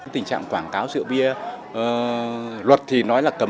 tình trạng quảng cáo rượu bia luật thì nói là cấm